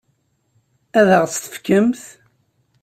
Ad ɣ-tt-tefkemt?